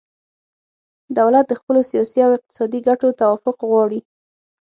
دولت د خپلو سیاسي او اقتصادي ګټو توافق غواړي